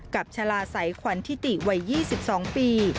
กับชาลาไซควันทิติวัย๒๒ปี